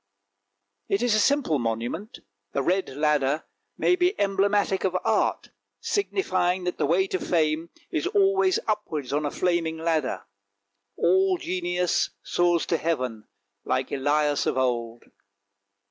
It is a simple monument; the red ladder might be emblematic of Art, signifying that the way to fame is always upwards on a flaming ladder. All genius soars to heaven, like Elias of old.